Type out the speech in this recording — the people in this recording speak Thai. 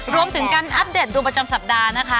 รวมถึงการอัปเดตดูประจำสัปดาห์นะคะ